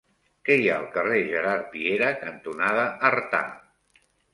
Què hi ha al carrer Gerard Piera cantonada Artà?